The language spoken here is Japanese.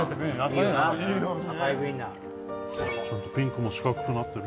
ちゃんとピンクも四角くなってる。